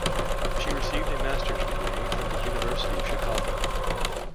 She received a master's degree from the University of Chicago.